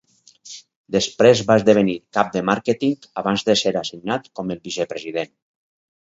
Després va esdevenir cap de màrqueting abans de ser assignat com el vicepresident.